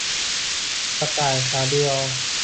กระต่ายขาเดียว